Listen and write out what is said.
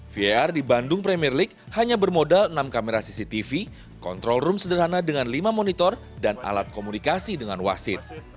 vr di bandung premier league hanya bermodal enam kamera cctv kontrol room sederhana dengan lima monitor dan alat komunikasi dengan wasit